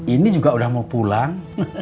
ini juga udah mau pulang